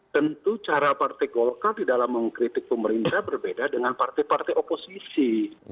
tentu cara partai golkar di dalam mengkritik pemerintah berbeda dengan partai partai oposisi